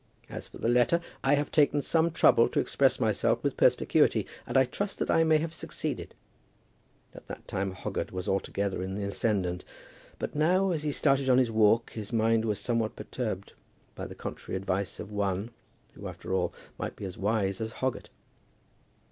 As for the letter, I have taken some trouble to express myself with perspicuity, and I trust that I may have succeeded." At that time Hoggett was altogether in the ascendant; but now, as he started on his walk, his mind was somewhat perturbed by the contrary advice of one, who after all, might be as wise as Hoggett.